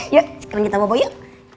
yuk sekarang kita bawa yuk